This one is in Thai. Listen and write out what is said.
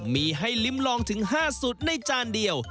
มีให้ลิ้มลองถึง๕สูตรในจานเดียว